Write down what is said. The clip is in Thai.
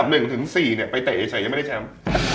ไปเตะสำหรับใดไฉ้ยังจะไม่ได้แชมป์